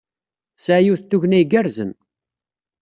Tesɛa yiwet n tugna igerrzen.